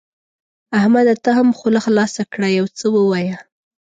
احمده ته هم خوله خلاصه کړه؛ يو څه ووايه.